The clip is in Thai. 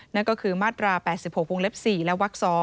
นั่นก็คือมาตรา๘๖วงเล็บ๔และวัก๒